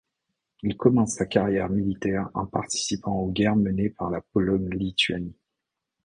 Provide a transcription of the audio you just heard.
Il commence sa carrière militaire, en participant aux guerres menées par la Pologne-Lituanie.